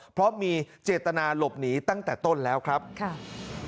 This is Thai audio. เพราะมีเจตนาหลบหนีตั้งแต่ต้นแล้วครับค่ะ